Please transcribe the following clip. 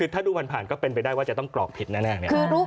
ถ้าดูผ่านก็เป็นไปได้ว่าจะต้องกรอกผิดแน่